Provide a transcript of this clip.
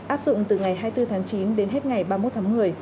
áp dụng từ ngày hai mươi bốn tháng chín đến hết ngày ba mươi một tháng một mươi